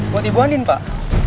buat ibu andin pak